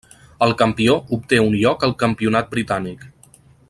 El campió obté un lloc al Campionat britànic.